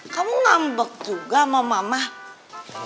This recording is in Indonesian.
kamu ngambek juga sama mama